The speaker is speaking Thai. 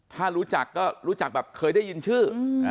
ถ้ารู้จักก็รู้จักแบบเคยได้ยินชื่อ